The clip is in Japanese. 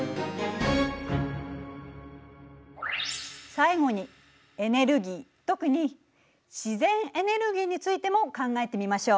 最後にエネルギー特に自然エネルギーについても考えてみましょう。